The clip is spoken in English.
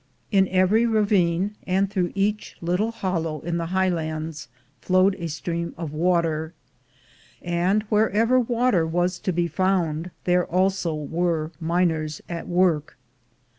In every ravine, and through each little hollow in the high lands, flowed a stream of water; and wherever water was to be found, there also were miners at work.